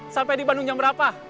sampai di bandung jam berapa